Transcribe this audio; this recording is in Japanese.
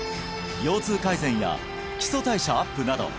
腰痛改善や基礎代謝アップなど